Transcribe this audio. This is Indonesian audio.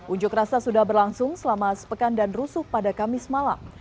unjuk rasa sudah berlangsung selama sepekan dan rusuk pada kamis malam